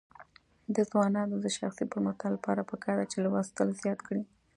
د ځوانانو د شخصي پرمختګ لپاره پکار ده چې لوستل زیات کړي.